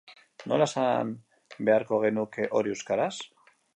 Nola esan beharko genuke hori euskaraz?